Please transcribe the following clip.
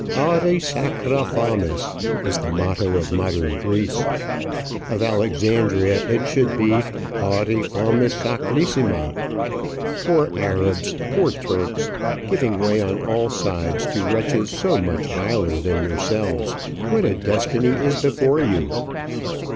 "Auri sacra fames!" is the motto of modern Greece. Of Alexandria it should be, "Auri fames sacrissima!" Poor Arabs! poor Turks! giving way on all sides to wretches so much viler than yourselves, what a destiny is before you!